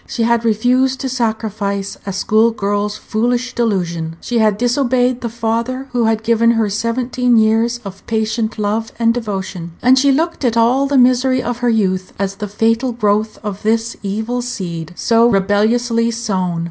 She had refused to sacrifice a school girl's foolish delusion; she had disobeyed the father who had given her seventeen years of patient love and devotion; and she looked at all the misery of her youth as the fatal growth of this evil seed, so rebelliously sown.